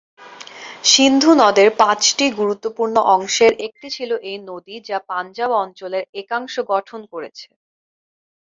সিন্ধু নদের পাঁচটি গুরুত্বপূর্ণ অংশের একটি ছিল এই নদী যা পাঞ্জাব অঞ্চলের একাংশ গঠন করেছে।